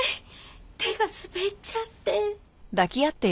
手が滑っちゃって。